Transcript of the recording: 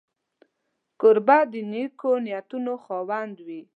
کوربه د نېکو نیتونو خاوند وي.